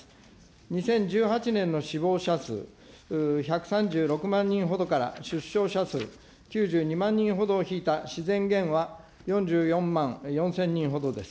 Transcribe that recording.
２０１８年の死亡者数１３６万人ほどから、出生者数、９２万人ほどを引いた自然減は４４万４０００人ほどです。